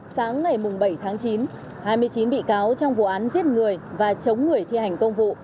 sáng ngày bảy tháng chín hai mươi chín bị cáo trong vụ án giết người và chống người thi hành công vụ